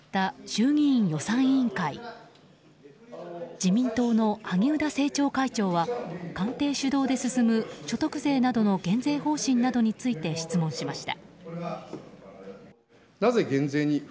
自民党の萩生田政調会長は官邸主導で進む所得税などの減税方針について質問しました。